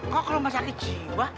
kok rumah sakit jiwa